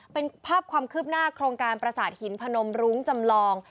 เป็นภาพความคืบหน้าโครงการประสาทหินพนมรุ้งจำลอง